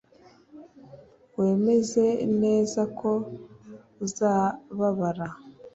wemeze neza ko uzababara